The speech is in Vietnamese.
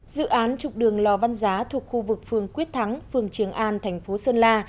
dự án trục đường lò văn giá thuộc khu vực phường quyết thắng phường trường an thành phố sơn la